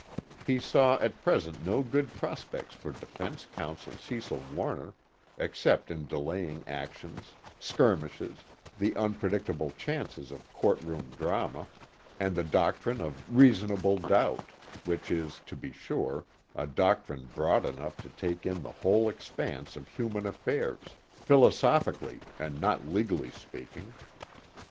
He saw at present no good prospects for defense counsel Cecil Warner except in delaying actions, skirmishes, the unpredictable chances of courtroom drama, and the doctrine of reasonable doubt which is, to be sure, a doctrine broad enough to take in the whole expanse of human affairs, philosophically and not legally speaking.